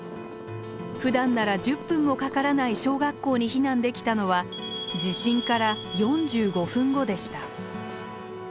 ふだんなら１０分もかからない小学校に避難できたのは地震から４５分後でした。